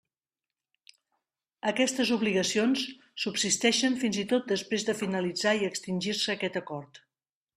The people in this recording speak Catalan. Aquestes obligacions subsisteixen fins i tot després de finalitzar i extingir-se aquest acord.